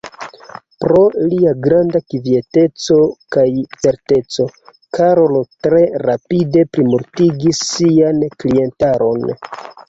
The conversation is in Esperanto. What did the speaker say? Pro lia granda kvieteco kaj certeco, Karlo tre rapide plimultigis sian klientaron.